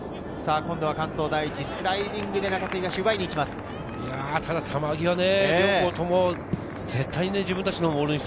今度は関東第一、スライディングで中津東が奪いにいきます。